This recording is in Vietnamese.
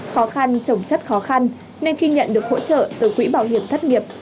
khó khăn trồng chất khó khăn nên khi nhận được hỗ trợ từ quỹ bảo hiểm thất nghiệp